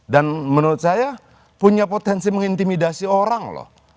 dan menurut saya punya potensi mengintimidasi orang loh